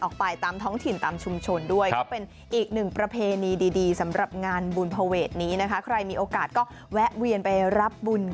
ขอบคุณมากค่ะ